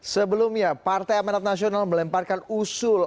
sebelumnya partai amanat nasional melemparkan usul